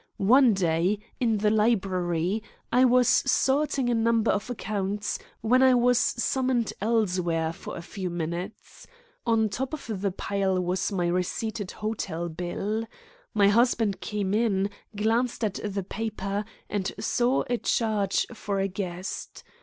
One day, in the library, I was sorting a number of accounts, when I was summoned elsewhere for a few minutes. On top of the pile was my receipted hotel bill. My husband came in, glanced at the paper, and saw a charge for a guest.